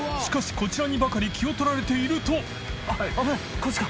こちらにばかり気を取られていると狩野）